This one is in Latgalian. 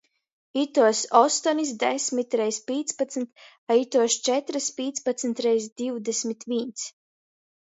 Ituos ostonis — desmit reiz pīcpadsmit, a ituos četrys — pīcpadsmit reiz divdesmit vīns!